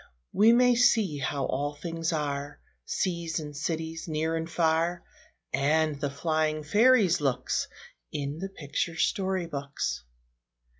We may see how all things are, Seas and cities, near and far, And the flying fairies' looks, In the picture story books.